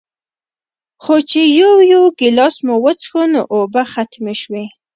خو چې يو يو ګلاس مو وڅښو نو اوبۀ ختمې شوې